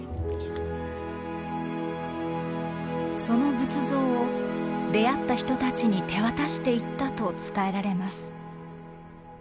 その仏像を出会った人たちに手渡していったと伝えられます。